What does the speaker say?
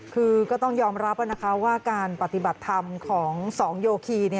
คือก็ต้องยอมรับนะคะว่าการปฏิบัติธรรมของสองโยคี